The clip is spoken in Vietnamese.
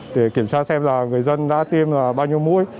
để kiểm tra xem là người dân đã tiêm bao nhiêu mũi